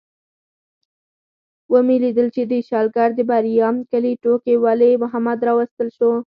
ومې لیدل چې د شلګر د بریام کلي ټوکي ولي محمد راوستل شو.